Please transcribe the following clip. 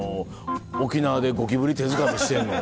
沖縄でゴキブリ手づかみしてんの。